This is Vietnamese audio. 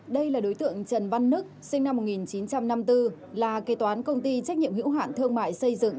đây là đối tượng trần văn đức sinh năm một nghìn chín trăm năm mươi bốn là kế toán công ty trách nhiệm hữu hạn thương mại xây dựng